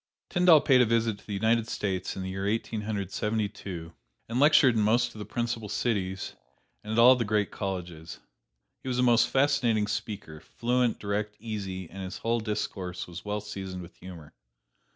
Tyndall paid a visit to the United States in the year Eighteen Hundred Seventy two, and lectured in most of the principal cities, and at all the great colleges. He was a most fascinating speaker, fluent, direct, easy, and his whole discourse was well seasoned with humor.